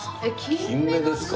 金目ですか。